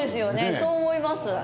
そう思いますね。